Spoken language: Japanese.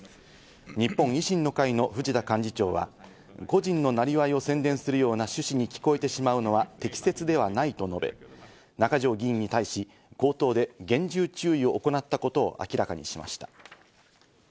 日本維新の会の藤田幹事長は個人の生業を宣伝するような趣旨に聞こえてしまうのは適切ではないと述べ、中条議員に対し、口頭で厳重注意を行ったことを明らかにしました。